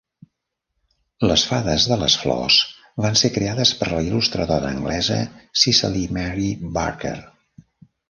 Les Fades de les Flors van ser creades per la il·lustradora anglesa Cicely Mary Barker.